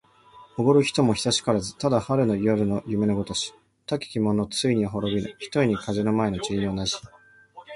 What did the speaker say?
おごれる人も久しからず。ただ春の夜の夢のごとし。たけき者もついには滅びぬ、ひとえに風の前の塵に同じ。